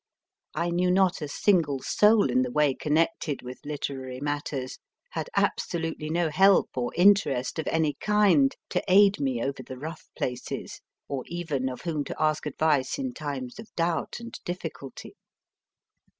I knew not a single soul in the way connected with literary matters, had absolutely no help or interest of any kind to aid me over the rough places, or even of whom to ask advice in times of doubt and difficulty.